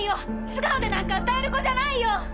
素顔でなんか歌える子じゃないよ！